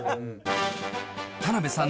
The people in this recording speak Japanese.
田辺さん